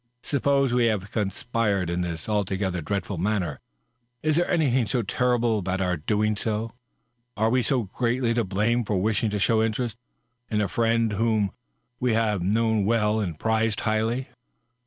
Suppose we have conspired in this alto gether dreadful matter. Is there anything so terrible about our doing so? Are we so greatly to blame for wishing to show interest in a friend whom we hSve known well and prized highly?"